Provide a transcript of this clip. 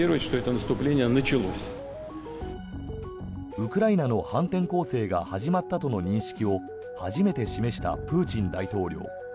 ウクライナの反転攻勢が始まったとの認識を初めて示したプーチン大統領。